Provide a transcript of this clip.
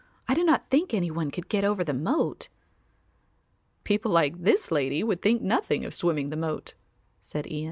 "I do not think any one could get over the moat." "People like this lady would think nothing of swimming the moat," said Ian.